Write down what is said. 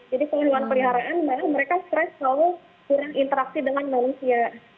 jadi kalau hewan peliharaan mereka stress kalau kurang interaksi dengan manusia